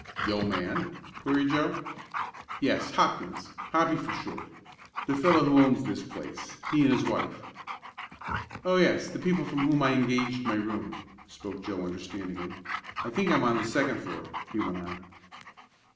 "The old man?" queried Joe. "Yes, Hopkins, Hoppy for short the fellow that owns this place he and his wife." "Oh, yes, the people from whom I engaged my room," spoke Joe understandingly. "I think I'm on the second floor," he went on.